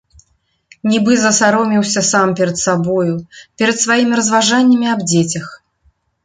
Нібы засаромеўся сам перад сабою, перад сваімі разважаннямі аб дзецях.